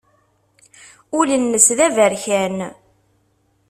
Ul-nnes d aberkan.